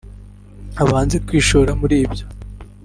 Abanze kwishora muri ibyo